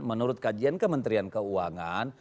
menurut kajian kementerian keuangan